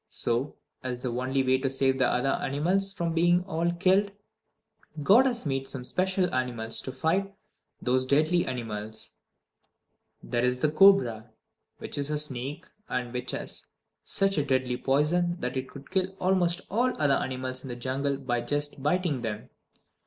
So, as the only way to save the other animals from being all killed, God has made some special animals to fight those deadly animals. There is the cobra, which is a snake, and which has such a deadly poison that it could kill almost all other animals in the jungle by just biting them.